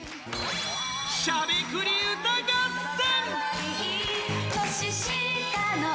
しゃべくり歌合戦。